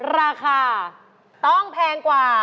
ราคาต้องแพงกว่า